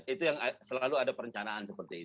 itu yang selalu ada perencanaan seperti itu